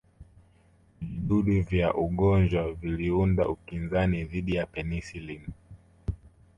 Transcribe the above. Vijidudu vya ugonjwa viliunda ukinzani dhidi ya penicillin